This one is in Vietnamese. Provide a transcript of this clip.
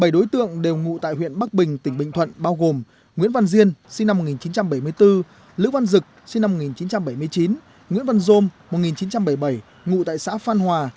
bảy đối tượng đều ngụ tại huyện bắc bình tỉnh bình thuận bao gồm nguyễn văn diên sinh năm một nghìn chín trăm bảy mươi bốn lữ văn dực sinh năm một nghìn chín trăm bảy mươi chín nguyễn văn dôm một nghìn chín trăm bảy mươi bảy ngụ tại xã phan hòa